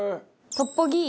トッポギ。